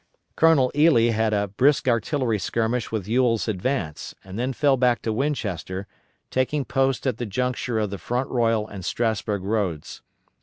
Colonel Ely had a brisk artillery skirmish with Ewell's advance, and then fell back to Winchester, taking post at the junction of the Front Royal and Strasburg roads.